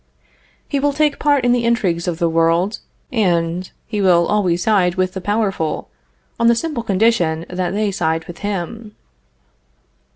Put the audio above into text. He will take part in the intrigues of the world, and he will always side with the powerful, on the simple condition that they side with him.